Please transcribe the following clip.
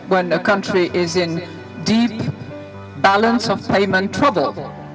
ketika negara dalam dalam balansi perubahan yang dalam masalah